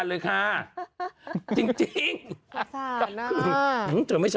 เสร็จขึ้นสารเสร็จเออ